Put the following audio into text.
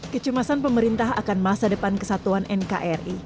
kecemasan pemerintah akan masa depan kesatuan nkri